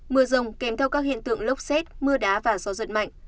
mưa rông kèm theo các hiện tượng lốc xét mưa đá và gió giật mạnh